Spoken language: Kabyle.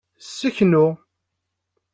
Seknu.